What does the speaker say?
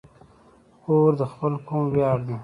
خور د خپل قوم ویاړ ده.